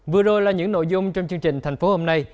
vừa rồi là những nội dung trong chương trình thành phố hôm nay